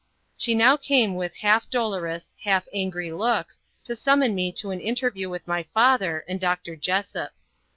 She now came with half dolorous, half angry looks, to summon me to an interview with my father and Doctor Jessop.